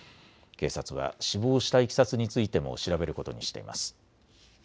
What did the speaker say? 警察は死亡したいきさつについても調べることにしています。